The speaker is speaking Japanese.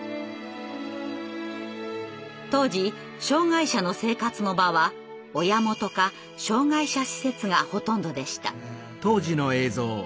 当時障害者の生活の場は「親元」か「障害者施設」がほとんどでした。